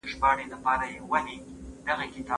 ولي لېواله انسان د مستحق سړي په پرتله لاره اسانه کوي؟